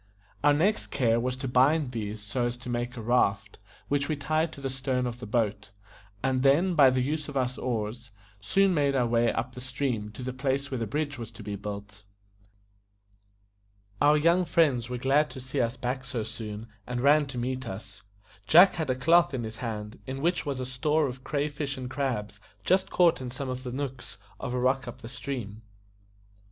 Our next care was to bind these so as to make a raft, which we tied to the stern of the boat, and then, by the use of our oars, soon made our way up the stream to the place where the bridge was to be built. Our young friends were glad to see us back so soon, and ran to meet us; Jack had a cloth in his hand, in which was a store of cray fish and crabs just caught in some of the nooks of a rock up the stream.